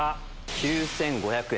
９５００円。